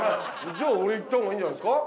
じゃあ俺言ったほうがいいんじゃないですか？